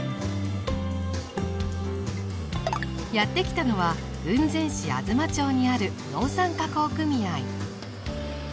やって来たのは雲仙市吾妻町にある農産加工組合。